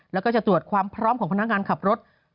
แล้วก็จะตรวจความพร้อมของพนักงานขับรถ